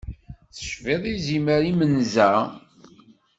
Tecbiḍ izimer imenza.